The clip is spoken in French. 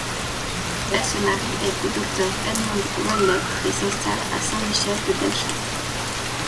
Elle se marie avec le docteur Edmond Ouellette et s'installe à Saint-Michel de Bellechasse.